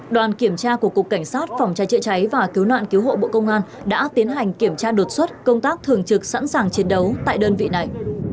đoàn kiểm tra của cục cảnh sát phòng cháy chữa cháy và cứu nạn cứu hộ bộ công an đã tiến hành kiểm tra đột xuất công tác thường trực sẵn sàng chiến đấu tại đơn vị này